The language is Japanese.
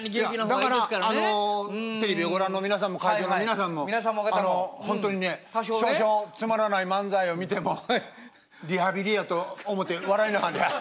だからあのテレビをご覧の皆さんも会場の皆さんもあのほんとにね少々つまらない漫才を見てもリハビリやと思て笑いなはれや。